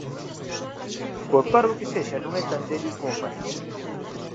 Por parvo que sexa, non é tan débil coma para iso.